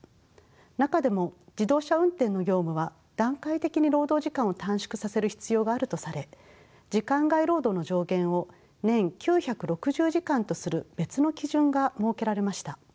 中でも自動車運転の業務は段階的に労働時間を短縮させる必要があるとされ時間外労働の上限を年９６０時間とする別の基準が設けられました。